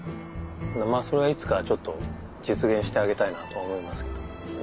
それはいつか実現してあげたいなとは思いますけど。